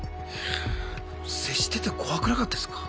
接してて怖くなかったですか？